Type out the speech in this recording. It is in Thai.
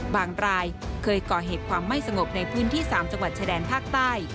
รายเคยก่อเหตุความไม่สงบในพื้นที่๓จังหวัดชายแดนภาคใต้